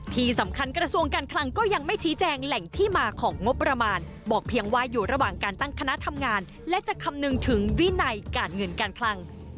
ที่สำคัญกระทรวงการคลังก็ยังไม่ชี้แจงแหล่งที่มาของงบประมาณบอกเพียงว่าอยู่ระหว่างการตั้งคณะทำงานและจะคำนึงถึงวินัยการเงินการคลัง